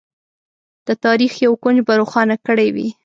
د تاریخ یو کونج به روښانه کړی وي.